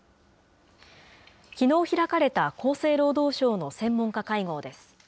きのう開かれた厚生労働省の専門家会合です。